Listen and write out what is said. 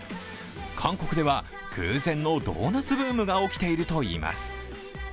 韓国では空前のドーナツブームが起きているといいます。